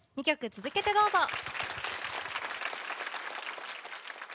２曲続けてどうぞ。